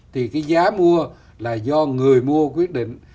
thì cái giá mua là do người mua quyết định